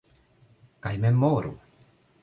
- Kaj memoru!